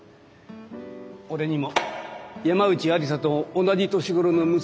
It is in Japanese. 俺にも山内愛理沙と同じ年頃の娘がいるって。